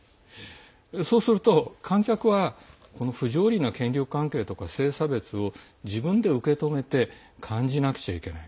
そうすると、観客はこの不条理な権力関係とか性差別を自分で受け止めて感じなくちゃいけない。